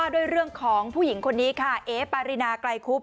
ด้วยเรื่องของผู้หญิงคนนี้ค่ะเอ๊ปารินาไกลคุบ